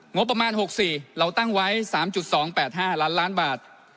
งบประมาณ๖๔เราตั้งไว้๓๒๘๕ล้านล้านบาท